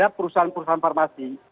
ada perusahaan perusahaan farmasi